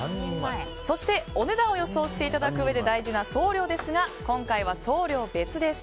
そしてお値段を予想していただくうえで大事な送料ですが今回は送料別です。